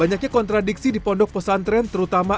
banyaknya kontradiksi dipondok pesantren terutama